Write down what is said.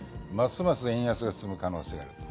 ますます円安が進む可能性がある。